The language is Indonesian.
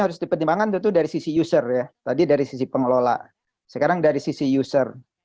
harus dipertimbangkan tentu dari sisi user ya tadi dari sisi pengelola sekarang dari sisi user